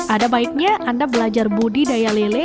ada baiknya anda belajar budidaya lele